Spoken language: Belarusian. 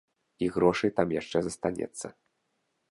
І грошай там яшчэ застанецца.